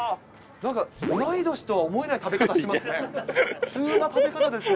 なんか同い年とは思えない食べ方しますね。